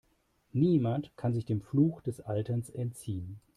Niemand kann sich dem Fluch des Alterns entziehen.